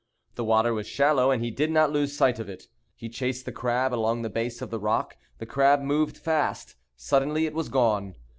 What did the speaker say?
The water was shallow, and he did not lose sight of it. He chased the crab along the base of the rock; the crab moved fast. Suddenly it was gone.